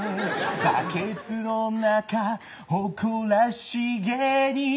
「バケツの中誇らしげに」